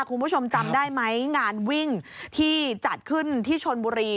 คุณผู้ชมจำได้ไหมงานวิ่งที่จัดขึ้นที่ชนบุรี